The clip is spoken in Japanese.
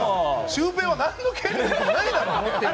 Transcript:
シュウペイは何の権利もないだろ！